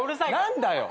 何だよ！